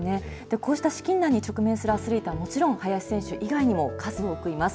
こうした資金難に直面するアスリートはもちろん、林選手以外にも数多くいます。